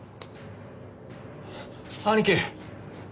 兄貴！